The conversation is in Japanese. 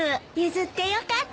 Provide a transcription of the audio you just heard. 譲ってよかったわ。